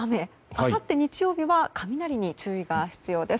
あさって日曜日は雷に注意が必要です。